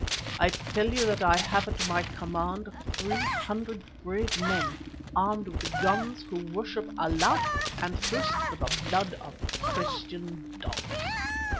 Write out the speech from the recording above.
I tell you that I have at my command three hundred brave men armed with guns who worship Allah and thirst for the blood of Christian dogs.